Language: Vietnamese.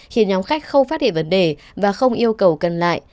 khiến nhóm khách không phát hiện vấn đề và không yêu cầu cân lại